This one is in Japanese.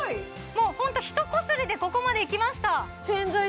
もうホントひとこすりでここまでいきました